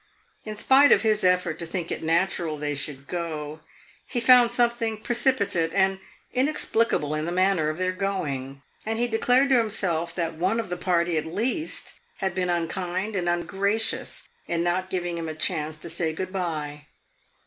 In spite of his effort to think it natural they should go, he found something precipitate and inexplicable in the manner of their going, and he declared to himself that one of the party, at least, had been unkind and ungracious in not giving him a chance to say good bye.